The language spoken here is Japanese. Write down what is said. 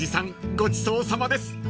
ごちそうさまです